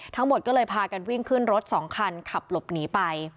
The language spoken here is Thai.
ทั้งหมดก็เลยพากันวิ่งขึ้นรถ๒คันขับหลบหนีไป